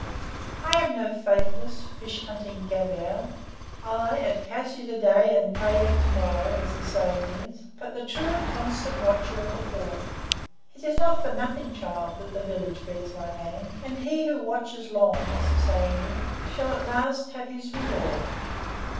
I am no faithless, fish hunting Gavial, I, at Kasi to day and Prayag to morrow, as the saying is, but the true and constant watcher of the ford. It is not for nothing, child, that the village bears my name, and 'he who watches long,' as the saying is, 'shall at last have his reward.